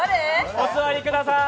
お戻りくださーい。